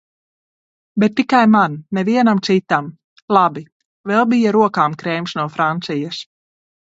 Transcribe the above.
Bet tikai man, nevienam citam. Labi. Vēl bija rokām krēms no Francijas.